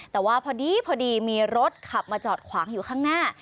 แต่ว่าพอดีมีรถขับมาจอดขวางอยู่ข้างหน้า